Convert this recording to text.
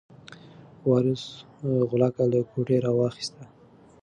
وارث غولکه له کوټې راواخیسته.